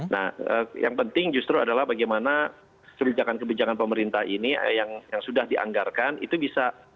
nah yang penting justru adalah bagaimana kebijakan kebijakan pemerintah ini yang sudah dianggarkan itu bisa